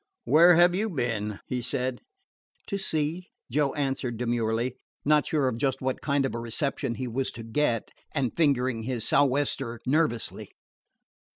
Where have you been?" he said. "To sea," Joe answered demurely, not sure of just what kind of a reception he was to get, and fingering his sou'wester nervously.